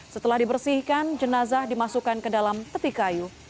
setelah dibersihkan jenazah dimasukkan ke dalam tepi kayu